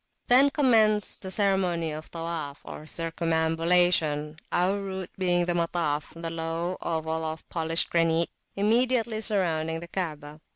Then commenced the ceremony of Tawaf,[FN#6] or circumambulation, our route being the Matafthe low oval of polished granite immediately surrounding the Kaabah.